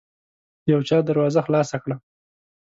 يو چا دروازه خلاصه کړه.